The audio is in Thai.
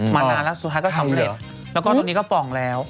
นานแล้วสุดท้ายก็สำเร็จแล้วก็ตัวนี้ก็ป่องแล้ว